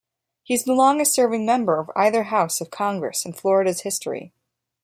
He is the longest-serving member of either house of Congress in Florida's history.